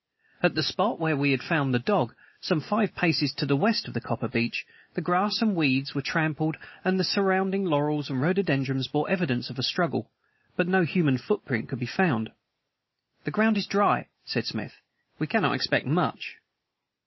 At the spot where we had found the dog, some five paces to the west of the copper beech, the grass and weeds were trampled and the surrounding laurels and rhododendrons bore evidence of a struggle, but no human footprint could be found. "The ground is dry," said Smith. "We cannot expect much."